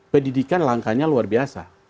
pendidikan langkahnya luar biasa